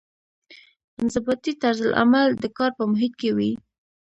انضباطي طرزالعمل د کار په محیط کې وي.